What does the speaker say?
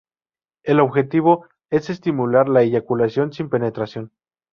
El objetivo es estimular la eyaculación sin penetración.